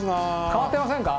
変わってませんか？